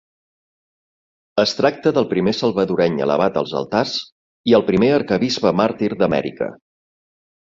Es tracta del primer salvadoreny elevat als altars, i el primer arquebisbe màrtir d'Amèrica.